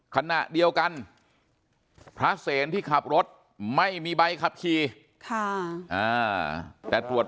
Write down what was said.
ขณะเดียวกันพระเศรษฐ์ที่ขับรถไม่มีใบขับขี่ค่ะแต่ปวดวัดประวันแอนลกอฮอล์